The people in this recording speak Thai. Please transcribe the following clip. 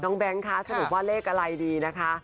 น้องแบ็งก์คะสนุกว่าเลขอะไรดีนะคะ